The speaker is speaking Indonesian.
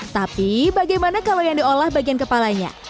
tapi bagaimana kalau yang diolah bagian kepalanya